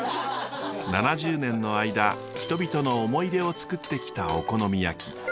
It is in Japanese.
７０年の間人々の思い出をつくってきたお好み焼き。